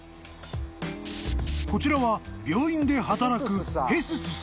［こちらは病院で働く］